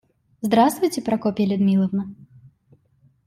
Здравствуйте, Прокопья Людмиловна.